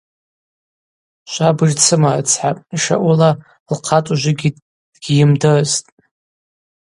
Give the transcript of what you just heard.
Швабыж дсымарыцхӏапӏ, йшаъула, лхъацӏа ужвыгьи дгьйымдырстӏ.